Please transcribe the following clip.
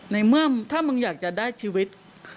ในเมื่อถ้ามึงอยากจะได้ชีวิต